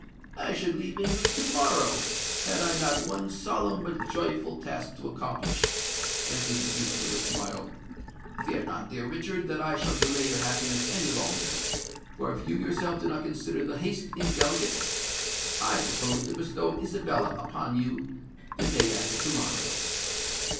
"I should leave England to morrow, had I not one solemn but joyful task to accomplish," answered the Duke with a smile. "Fear not, dear Richard, that I shall delay your happiness any longer; for if you yourself do not consider the haste indelicate, I purpose to bestow Isabella upon you the day after to morrow."